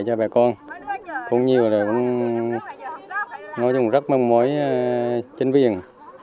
cái bà con cũng nhiều là nói chung rất mong mối chân viện